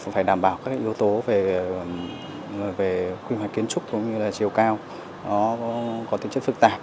phải đảm bảo các yếu tố về quy hoạch kiến trúc cũng như là chiều cao nó có tính chất phức tạp